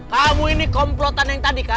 kamu ini komplotan yang tadi kan